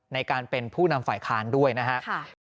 ในการเป็นผู้นำฝ่ายค้านด้วยนะครับ